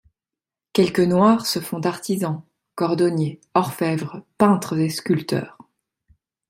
Quelques Noirs se font artisans, cordonniers, orfèvres, peintres et sculpteurs.